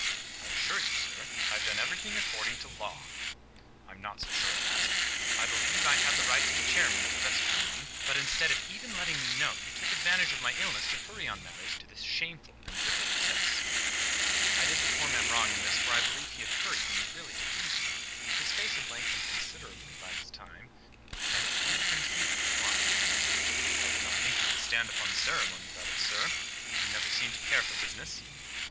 "I assure you, sir, I have done everything according to law." "I'm not so sure of that. I believe I had the right to be chairman at the vestry meeting; but, instead of even letting me know, you took advantage of my illness to hurry on matters to this shameful and wicked excess." I did the poor man wrong in this, for I believe he had hurried things really to please me. His face had lengthened considerably by this time, and its rubicund hue declined. "I did not think you would stand upon ceremony about it, sir. You never seemed to care for business."